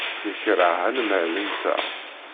Nekṛeh anemhal-nteɣ.